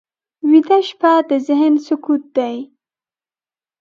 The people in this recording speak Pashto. ویده شپه د ذهن سکوت دی